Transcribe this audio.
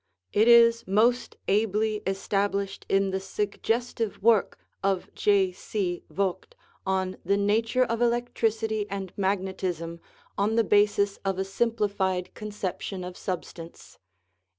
It is most ably established in the suggestive work of J. C. Vogt on The Nature of Electricity and Magnetism on the Basis of a Simplified Conception of Substance (1891).